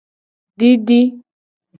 Didi.